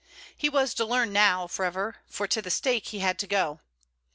He was to learn now, however, for to the stake he had to go.